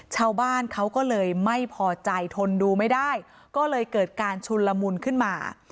ชาวบ้านเขาก็เลยไม่พอใจทนดูไม่ได้ก็เลยเกิดการชุนละมุนขึ้นมา